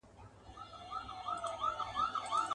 هر پاچا يې دنيادار لکه قارون وو.